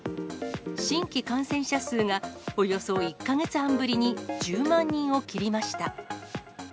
新規感染者数がおよそ１か月半ぶりに１０万人を切りました。